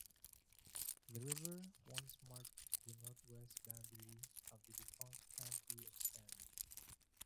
The river once marked the north-west boundary of the defunct County of Stanley.